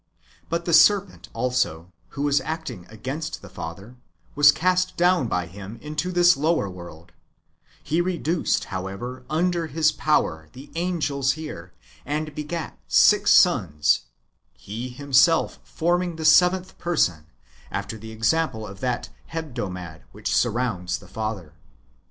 ^ But the serpent also, who was acting against the father, was cast down by him into this lower world ; he reduced, however, under his power the angels here, and begat six sons, he him self forming the seventh person, after the example of that Hebdomad which surrounds the father.